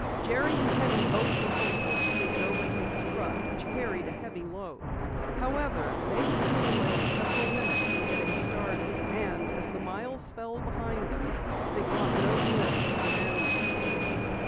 Jerry and Penny both were hopeful that they could overtake the truck, which carried a heavy load. However, they had been delayed several minutes in getting started, and as the miles fell behind them, they caught no glimpse of the man they pursued.